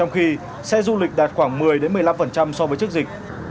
trong khi xe du lịch đạt khoảng một mươi một mươi năm so với trước dịch